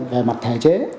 về mặt thể chế